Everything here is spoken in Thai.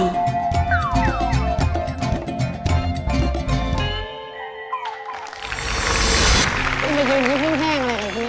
มายุนยุคหญิงแพงอะไรครับเพื่อน